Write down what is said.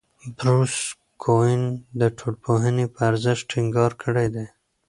بروس کوئن د ټولنپوهنې په ارزښت ټینګار کړی دی.